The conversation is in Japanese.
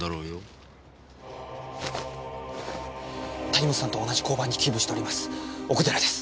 谷本さんと同じ交番に勤務しております奥寺です。